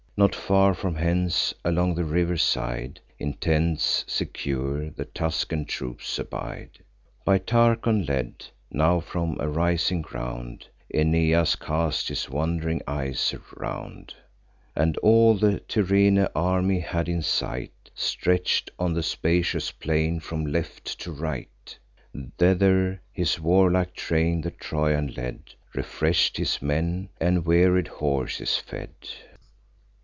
Not far from hence, along the river's side, In tents secure, the Tuscan troops abide, By Tarchon led. Now, from a rising ground, Aeneas cast his wond'ring eyes around, And all the Tyrrhene army had in sight, Stretch'd on the spacious plain from left to right. Thither his warlike train the Trojan led, Refresh'd his men, and wearied horses fed.